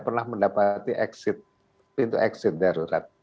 pernah mendapati pintu exit darurat